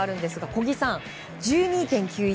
小木さん、１２．９１。